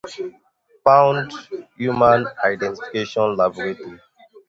Pound Human Identification Laboratory.